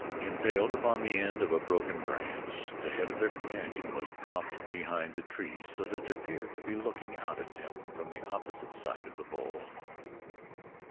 Impaled upon the end of a broken branch the head of their companion was propped behind the tree so that it appeared to be looking out at them from the opposite side of the bole.